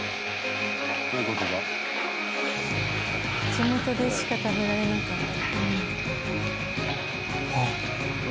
「地元でしか食べられなかった」。